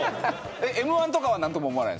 Ｍ−１とかは何とも思わない？